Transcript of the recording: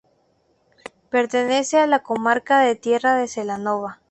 Pertenece a la Comarca de Tierra de Celanova.